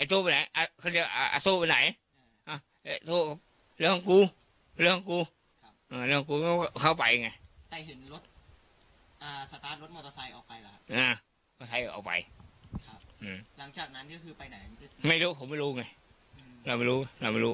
หลังจากนั้นก็คือไปไหนผมไม่รู้ไง